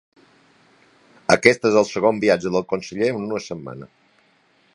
Aquest és segon viatge del conseller en una setmana.